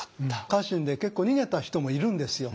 家臣で結構逃げた人もいるんですよ。